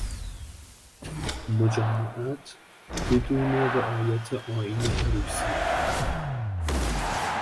مجامعت بدود رعایت آئین عروسی